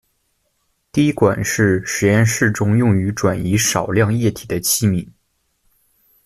滴管是实验室中用于转移少量液体的器皿。